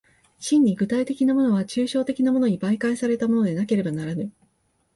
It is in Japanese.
真に具体的なものは抽象的なものに媒介されたものでなければならぬ。